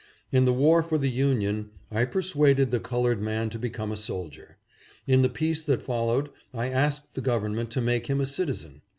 In the war for the Union I persuaded the colored man to become a soldier. In the peace that followed, I asked the Government to make him a citizen.